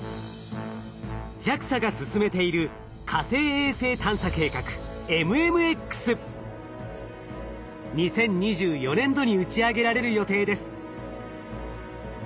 ＪＡＸＡが進めている２０２４年度に打ち上げられる予定です。